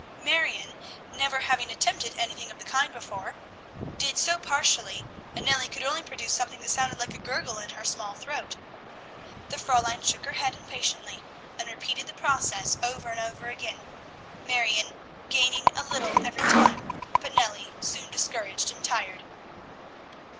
Marion, never having attempted anything of the kind before, did so partially, and Nellie could only produce something that sounded like a gurgle in her small throat. The Fräulein shook her head impatiently, and repeated the process over and over again, Marion gaining a little every time, but Nellie soon discouraged and tired.